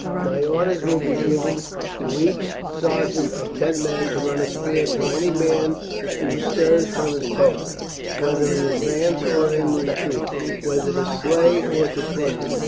My orders will be given to each sergeant of ten men to run a spear through any man who stirs from his post, whether in advance or in retreat, whether to slay or to plunder.